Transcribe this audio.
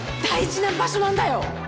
大事な場所なんだよ。